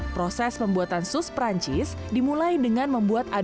proses pembuatan sous perancis dimulai dengan membuatkan sus perancis